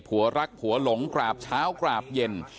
ผัวรักผัวหลงกราบเช้ากราบเย็น